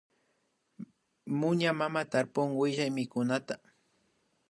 Muña mama tarpun wayllamikunata